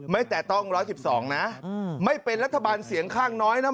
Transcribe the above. แตะต้อง๑๑๒นะไม่เป็นรัฐบาลเสียงข้างน้อยนะ